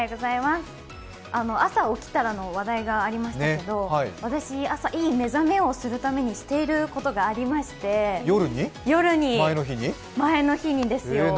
朝起きたらの話題がありましたけど私、朝いい目覚めをするためにしていることがありまして、夜に、前の日にですよ。